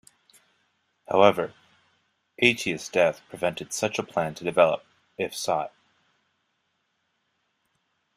However, Aetius' death prevented such a plan to develop, if sought.